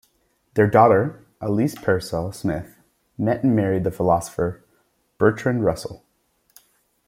Their daughter Alys Pearsall Smith met and married the philosopher Bertrand Russell.